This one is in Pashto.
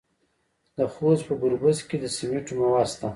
د خوست په ګربز کې د سمنټو مواد شته.